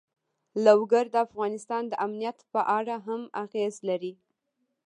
لوگر د افغانستان د امنیت په اړه هم اغېز لري.